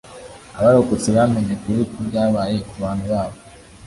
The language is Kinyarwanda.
Abarokotse bamenye ukuri kw’ibyabaye ku bantu babo